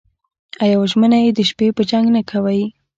او یوه ژمنه چې د شپې به جنګ نه کوئ